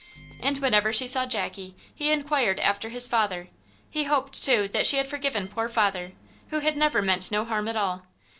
And whenever she saw Jackie he inquired after his father; he hoped, too, that she had forgiven poor father, who had never meant no harm at all.